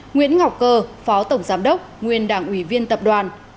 nguyễn ngọc cơ phó tổng giám đốc nguyên đảng ủy viên tập đoàn